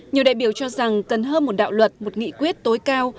nhiều đại biểu cho rằng cần hơn một đạo luật một nghị quyết tối cao